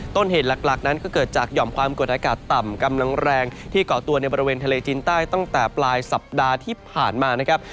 ต้นเหตุหลักนั้นก็เกิดจากหย่อมความกดอากาศต่ำกำลังแรงที่เกาะตัวในบริเวณทะเลจีนใต้ตั้งแต่ปลายสัปดาห์ที่ผ่านมานะครับ